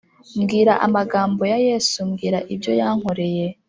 Mbwira amagambo ya yesu mbwira ibyo yankoreye